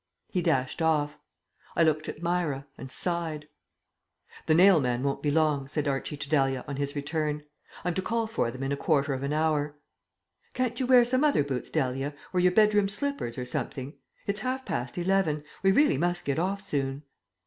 He dashed off. I looked at Myra ... and sighed. "The nail man won't be long," said Archie to Dahlia, on his return. "I'm to call for them in a quarter of an hour." "Can't you wear some other boots, Dahlia, or your bedroom slippers or something? It's half past eleven. We really must get off soon."